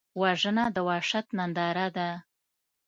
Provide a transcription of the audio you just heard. وژنه د وحشت ننداره ده